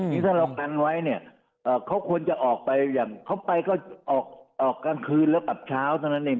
นี่ถ้าเรากันไว้เนี่ยเขาควรจะออกไปอย่างเขาไปก็ออกกลางคืนแล้วกลับเช้าเท่านั้นเอง